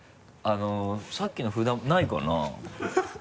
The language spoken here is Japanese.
さっきの札ないかな？